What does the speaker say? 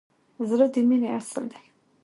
زړه د مینې اصل دی.